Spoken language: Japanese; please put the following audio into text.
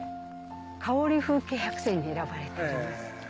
かおり風景百選に選ばれております。